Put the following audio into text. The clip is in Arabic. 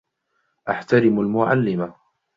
أَحْتَرِمُ الْمُعَلِّمَ.